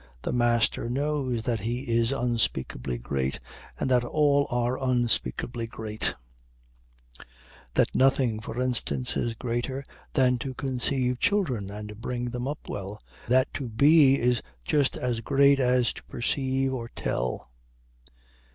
The master knows that he is unspeakably great, and that all are unspeakably great that nothing, for instance, is greater than to conceive children, and bring them up well that to be is just as great as to perceive or tell.